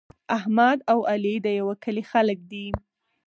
احمد او علي د یوه کلي خلک دي.